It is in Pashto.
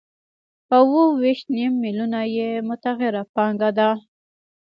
او اوه ویشت نیم میلیونه یې متغیره پانګه ده